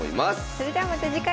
それではまた次回。